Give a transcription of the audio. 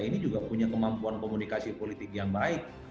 ini juga punya kemampuan komunikasi politik yang baik